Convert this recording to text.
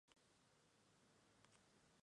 Jugaba en la Liga Profesional de Bulgaria.